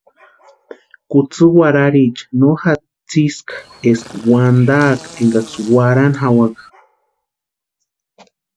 Kutsï warhariecha no jatsiska eskaksï wantaaka énkaksï warhani jawaka.